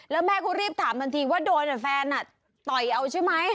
แล้วแม่ก็รีบถามทันทีว่าโดนแฟนต่อยเอาใช่ไหม